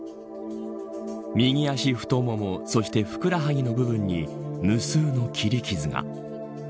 右足太ももそして、ふくらはぎの部分に無数の切り傷が。